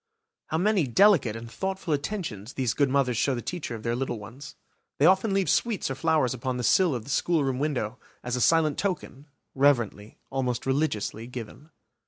How many delicate and thoughtful attentions these good mothers show the teacher of their little ones! They often leave sweets or flowers upon the sill of the schoolroom window, as a silent token, reverently, almost religiously, given.